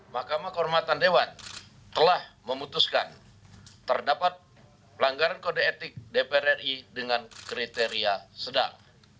mahkamah kehormatan dewan telah memutuskan terdapat pelanggaran kode etik dpr ri dengan kriteria sedang